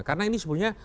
karena ini sebenarnya